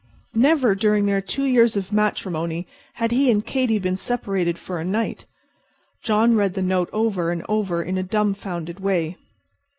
Never during their two years of matrimony had he and Katy been separated for a night. John read the note over and over in a dumbfounded way.